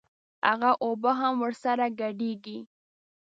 هغه اوبه هم ورسره ګډېږي.